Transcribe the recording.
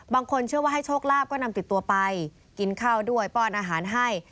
เชื่อว่าให้โชคลาภก็นำติดตัวไปกินข้าวด้วยป้อนอาหารให้